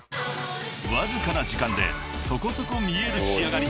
［わずかな時間でそこそこ見える仕上がりに］